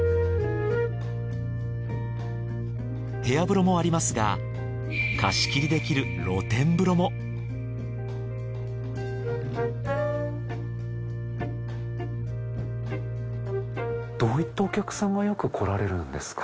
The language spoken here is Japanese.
部屋風呂もありますが貸し切りできる露天風呂もどういったお客さんがよく来られるんですか？